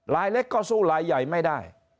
ลายเล็กก็สู้ลายใหญ่ไม่ได้